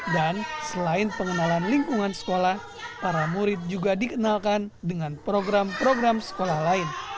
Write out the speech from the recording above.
dan selain pengenalan lingkungan sekolah para murid juga dikenalkan dengan program program sekolah lain